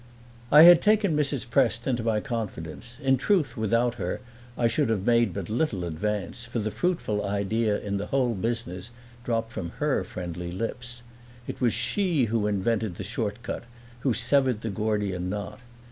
I I had taken Mrs. Prest into my confidence; in truth without her I should have made but little advance, for the fruitful idea in the whole business dropped from her friendly lips. It was she who invented the short cut, who severed the Gordian knot.